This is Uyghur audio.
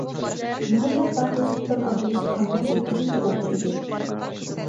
مۇھەممەت باقى سۇلتان ئابدۇرېشىت خاننىڭ سەككىزىنچى ئوغلى ئىدى.